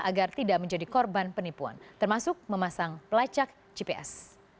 agar tidak menjadi korban penipuan termasuk memasang pelacak gps